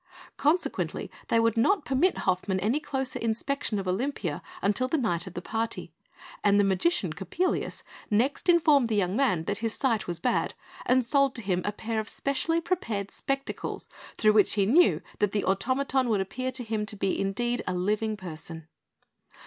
Consequently, they would not permit Hoffmann any closer inspection of Olympia until the night of the party; and the magician, Coppelius, next informed the young man that his sight was bad, and sold to him a pair of specially prepared spectacles through which he knew that the automaton would appear to him to be indeed a living person.